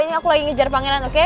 ini aku lagi ngejar pangeran oke